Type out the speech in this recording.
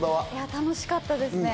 楽しかったですね。